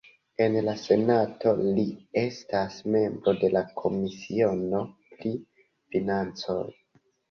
En la Senato, li estas membro de la komisiono pri financoj.